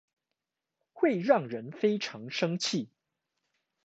會讓人非常生氣